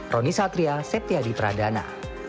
roni satria septiadi pradana